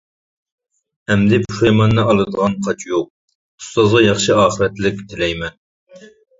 ئەمدى پۇشايماننى ئالىدىغان قاچا يوق، ئۇستازغا ياخشى ئاخىرەتلىك تىلەيمەن.